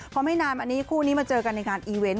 พร้อมให้นานอันนี้คู่นี้มาเจอกันในการอีเวนต์